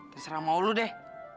terserah sama lo deh